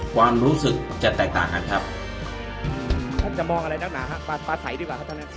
ความรู้สึกจะแตกต่างกันครับ